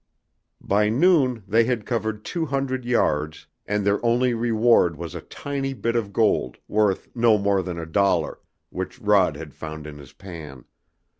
By noon they had covered two hundred yards, and their only reward was a tiny bit of gold, worth no more than a dollar, which Rod had found in his pan.